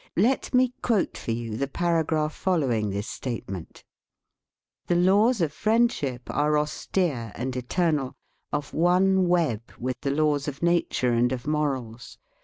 Let me quote for you the paragraph following this statement: " The laws of friendship are austere and eternal, of one web with the laws of nature and of morals.